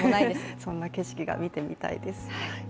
そんな景色が見てみたいです。